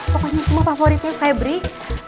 pokoknya semua favoritnya skybree